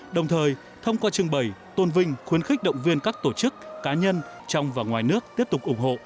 đồng thời thông qua trưng bày tôn vinh khuyến khích động viên các tổ chức cá nhân trong và ngoài nước tiếp tục ủng hộ